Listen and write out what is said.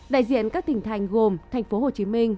đại diện các tỉnh thành gồm thành phố hồ chí minh